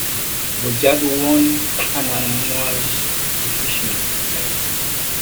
Bojado won a unanimous decision.